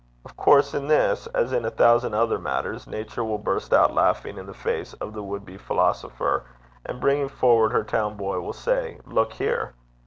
Of course, in this, as in a thousand other matters, Nature will burst out laughing in the face of the would be philosopher, and bringing forward her town boy, will say, 'Look here!'